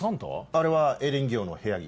あれはエリンギ王の部屋着。